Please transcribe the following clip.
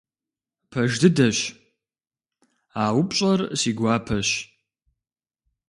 Пэж дыдэщ, а упщӀэр си гуапэщ.